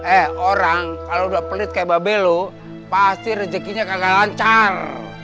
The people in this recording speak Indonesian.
eh orang kalau udah pelit kayak babel lo pasti rezekinya gak akan lancar